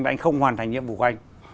và anh không hoàn thành nhiệm vụ của anh